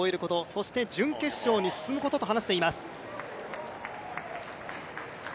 そして準決勝に進むことと話しています。